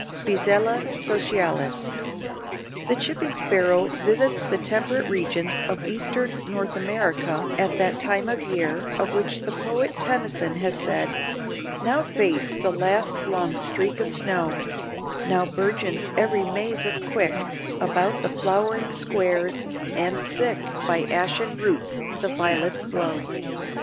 (Spizella socialis.) The Chipping Sparrow visits the temperate regions of Eastern North America at that time of the year of which the poet Tennyson has said: "Now fades the last long streak of snow, Now bourgeons every maze of quick About the flowering squares, and thick By ashen rootes the violets blow."